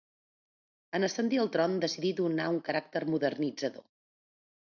En ascendir al tron decidí donar un caràcter modernitzador.